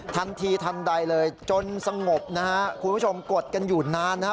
ทันทีทันใดเลยจนสงบนะฮะคุณผู้ชมกดกันอยู่นานนะครับ